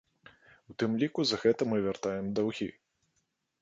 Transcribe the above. У тым ліку за гэта мы вяртаем даўгі.